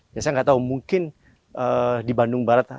ya saya nggak tahu mungkin di bandung barat